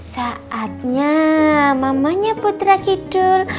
saatnya mamanya putra kidul